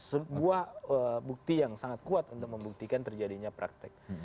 sebuah bukti yang sangat kuat untuk membuktikan terjadinya praktek